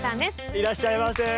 いらっしゃいませ。